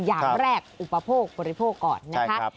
อย่างแรกอุปโภคบริโภคก่อนนะครับ